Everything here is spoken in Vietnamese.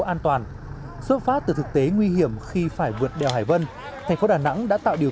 an toàn xuất phát từ thực tế nguy hiểm khi phải vượt đèo hải vân thành phố đà nẵng đã tạo điều